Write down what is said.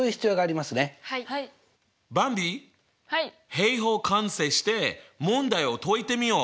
平方完成して問題を解いてみよう！